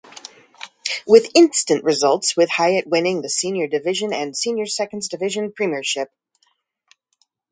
With instant results with Highett winning the Senior Division and Senior Seconds Division premiership.